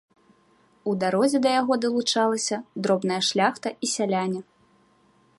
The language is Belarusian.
У дарозе да яго далучалася дробная шляхта і сяляне.